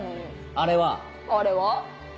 あれは？